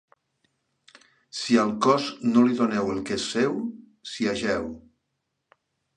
Si al cos no li donen el que és seu, s'hi ajeu.